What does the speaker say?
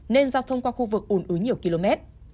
nên giao thông qua khu vực ủn ứ nhiều km